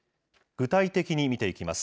具体的に見ていきます。